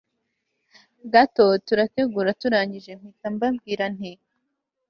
gato turategura turangije mpita mbabwira nti